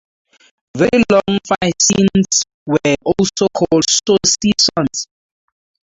Very long fascines were also called saucissons.